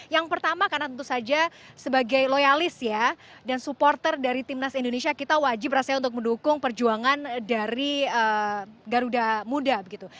yang pertama karena tentu saja sebagai loyalis ya dan supporter dari timnas indonesia kita wajib rasanya untuk mendukung perjuangan dari garuda muda begitu